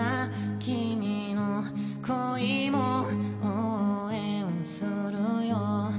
「君の恋も応援するよ」